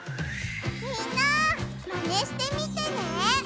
みんなマネしてみてね！